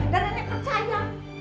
dan nenek percaya